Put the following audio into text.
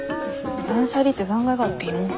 断捨離って残骸があっていいものなん？